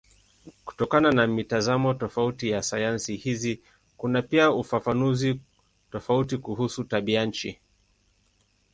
Kutokana na mitazamo tofauti ya sayansi hizi kuna pia ufafanuzi tofauti kuhusu tabianchi.